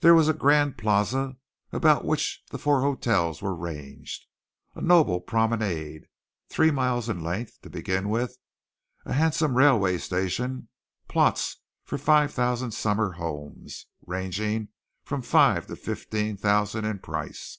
There was a grand plaza about which the four hotels were ranged, a noble promenade, three miles in length, to begin with, a handsome railway station, plots for five thousand summer homes, ranging from five to fifteen thousand in price.